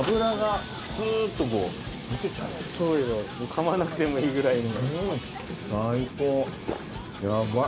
かまなくてもいいぐらいに。